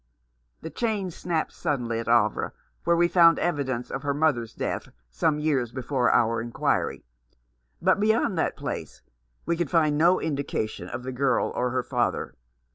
The chain snapped suddenly at Havre, where we found evidence of her mother's death, some years before our inquiry, but beyond which place we could find no indica tion of the girl or her father.